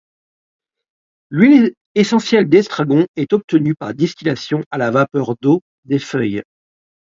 L'huile essentielle d'estragon est obtenue par distillation à la vapeur d'eau des feuilles.